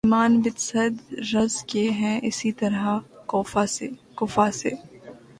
سلیمان بن سرد رض کے ہیں اسی طرح کوفہ سے